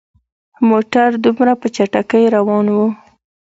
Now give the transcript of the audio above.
موټر دومره په چټکۍ روان وو.